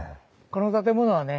この建物はね